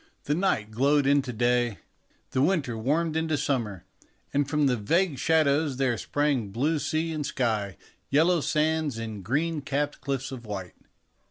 The night glowed into day, the winter warmed into summer, and from the vague shadows there sprang blue sea and sky, yellow sands, and green capped cliffs of white.